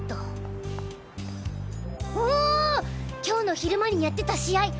今日の昼間にやってた試合